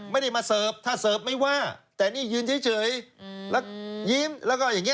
ไม่ได้มาเสิร์ฟถ้าเสิร์ฟไม่ว่าแต่นี่ยืนเฉยแล้วยิ้มแล้วก็อย่างนี้